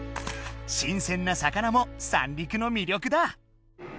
新鮮な魚も三陸の魅力だ！